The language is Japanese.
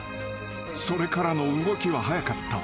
［それからの動きは早かった］